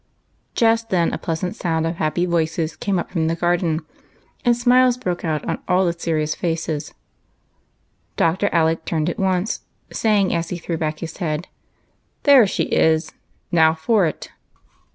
Just then a pleasant sound of happy voices came up 288 EIGHT COUSINS. from the garden, and smiles broke out on all serious faces. Dr. Alec turned at once, saying, as he threw •back his head, " There she is ; now for it